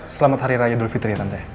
selamat hari raya dulk fitri ya tante